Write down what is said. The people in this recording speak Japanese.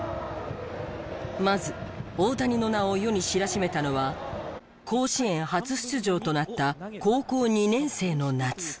まず大谷の名を世に知らしめたのは甲子園初出場となった高校２年生の夏。